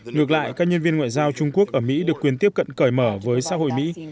ngược lại các nhân viên ngoại giao trung quốc ở mỹ được quyền tiếp cận cởi mở với xã hội mỹ